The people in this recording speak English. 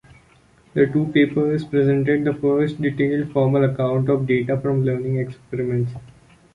These two papers presented the first detailed formal accounts of data from learning experiments.